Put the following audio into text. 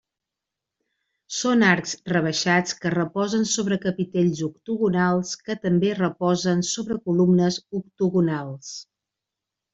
Són arcs rebaixats que reposen sobre capitells octogonals que també reposen sobre columnes octogonals.